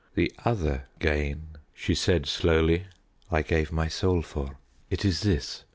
"The other gain," she said slowly, "I gave my soul for. It is this.